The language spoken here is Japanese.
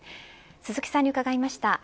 鈴木さんに伺いました。